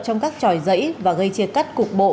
trong các tròi dãy và gây chia cắt cục bộ